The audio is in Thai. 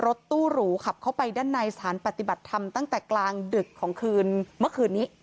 รถตู้หรูขับเข้าไปด้านในสถานปฏิบัติธรรมตั้งแต่กลางดึกของคืนเมื่อคืนนี้